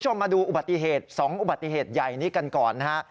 คุณผู้ชมมาดูอุบัติเหตุ๒อุบัติเหตุใหญ่นี้กันก่อน